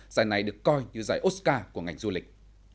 giải này được coi như giải oscar của ngành du lịch